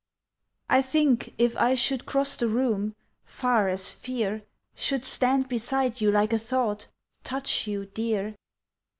I think if I should cross the room, Far as fear; Should stand beside you like a thought Touch you, Dear!